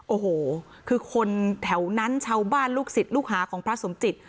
โอ้โหคือคนแถวนั้นชาวบ้านลูกศิษย์ลูกหาของพระสมจิต